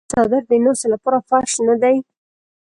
آیا څادر د ناستې لپاره فرش نه دی؟